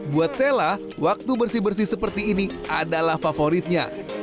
buat sela waktu bersih bersih seperti ini adalah favoritnya